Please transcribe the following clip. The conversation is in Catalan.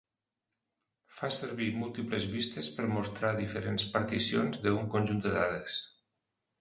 Fa servir múltiples vistes per mostrar diferents particions de un conjunt de dades.